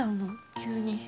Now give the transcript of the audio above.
急に。